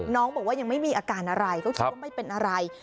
น้องบอกว่ายังไม่มีอาการอะไรก็คิดว่าไม่เป็นอะไร